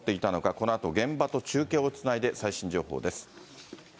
このあと現場と中継をつないで最新情報です。